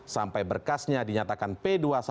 sampai berkasnya dinyatakan p dua puluh satu